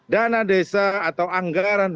dana desa atau anggaran